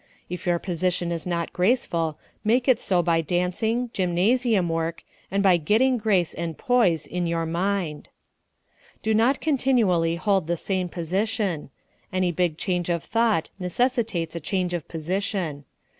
If your position is not graceful, make it so by dancing, gymnasium work, and by getting grace and poise in your mind. Do not continually hold the same position. Any big change of thought necessitates a change of position.